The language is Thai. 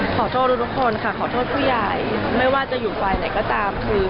ขอโทษทุกคนค่ะขอโทษผู้ใหญ่ไม่ว่าจะอยู่ฝ่ายไหนก็ตามคือ